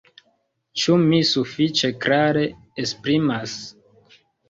Ĉu mi sufiĉe klare esprimas?